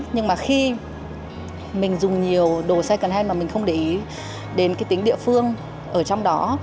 nhưng mà khi mình dùng nhiều đồ second hand mà mình không để ý đến cái tính địa phương ở trong đó